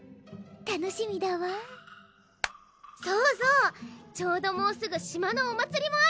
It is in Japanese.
楽しみだわそうそうちょうどもうすぐ島のお祭りもあるんだよ